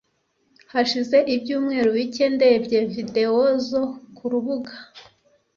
hashize ibyumweru bike ndebye videwo zo ku rubuga